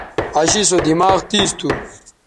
عاشی سو دماغ تیز تھو